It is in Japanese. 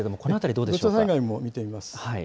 土砂災害も見てみます。